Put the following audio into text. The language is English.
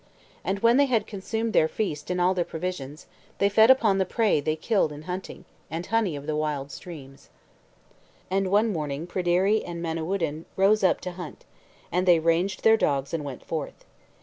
And when they had consumed their feast and all their provisions, they fed upon the prey they killed in hunting, and the honey of the wild swans. And one morning Pryderi and Manawyddan rose up to hunt, and they ranged their dogs and went forth.